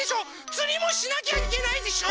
つりもしなきゃいけないでしょ。